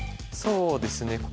そうですね。